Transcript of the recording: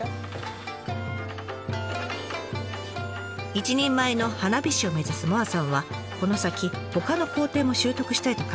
一人前の花火師を目指す萌彩さんはこの先ほかの工程も習得したいと考えています。